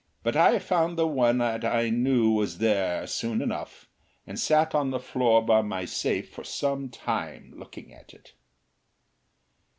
But I found the one that I knew was there soon enough, and sat on the floor by my safe for some time looking at it.